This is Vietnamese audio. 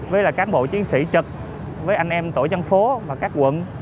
với là cán bộ chiến sĩ trực với anh em tổ dân phố và các quận